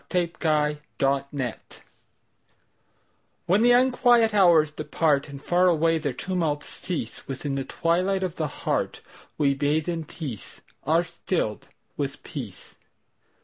The Hour of Twilight WHEN the unquiet hours departAnd far away their tumults cease, Within the twilight of the heartWe bathe in peace, are stilled with peace.